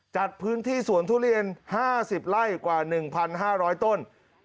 จัดพื้นที่สวนทุเรียน๕๐ไร่กว่า๑๕๐๐ต้น